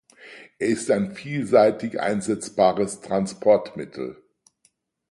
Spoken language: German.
Er ist ein vielseitig einsetzbares Transportmittel.